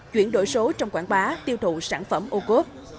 chuyển đổi số trong quảng bá tiêu thụ sản phẩm ô cốt